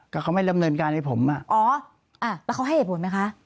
ก็เขาไม่ดำเนินการให้ผมอ่ะอ๋ออ่ะแล้วเขาให้เหตุผลไหมคะ